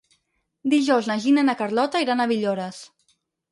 Dijous na Gina i na Carlota iran a Villores.